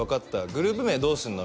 「グループ名どうすんの？」